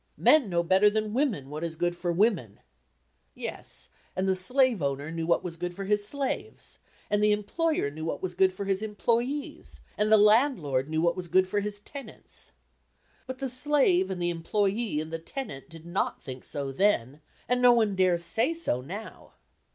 "Men know better than women what is good for women!" Yes, and the slave owner knew what was good for his slaves; and the employer knew what was good for his employees; and the landlord knew what was good for his tenants! But the slave and the employee and the tenant did not think so then, and no one dares say so now.